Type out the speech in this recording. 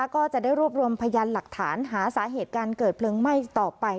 ก็จะได้รวบรวมพยานหลักฐานหาสาเหตุการเกิดเพลิงไหม้ต่อไป